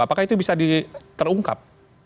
apakah itu bisa diterungkap